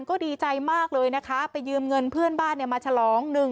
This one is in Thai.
ก็ดีใจมากเลยนะคะไปยืมเงินเพื่อนบ้านมาฉลอง